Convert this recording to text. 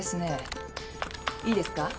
いいですか？